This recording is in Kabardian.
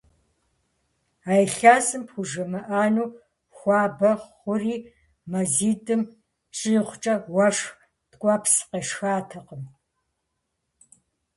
А илъэсым пхужымыӏэну хуабэ хъури, мазитӏым щӏигъукӏэ уэшх ткӏуэпс къешхатэкъым.